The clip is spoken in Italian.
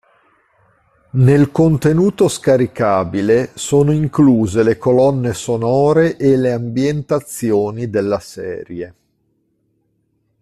Nel contenuto scaricabile sono incluse le colonne sonore e le ambientazioni della serie.